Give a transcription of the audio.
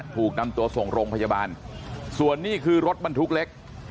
ถูกนำตัวส่งโรงพยาบาลส่วนนี้คือรถบรรทุกเล็ก